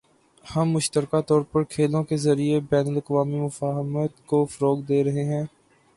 ہم مشترکہ طور پر کھیلوں کے ذریعے بین الاقوامی مفاہمت کو فروغ دے رہے ہیں